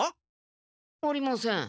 ありません。